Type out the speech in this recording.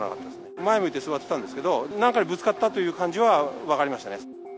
前向いて座ってたんですけど、なんかにぶつかったという感じは分かりましたね。